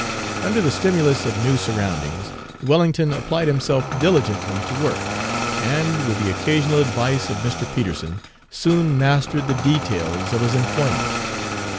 Under the stimulus of new surroundings Wellington applied himself diligently to work, and, with the occasional advice of Mr. Peterson, soon mastered the details of his employment.